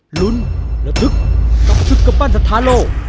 หลุนและตึ๊กกับสุขปั้นสถานโลก